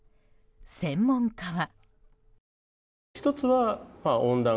専門家は。